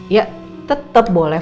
ya tetep boleh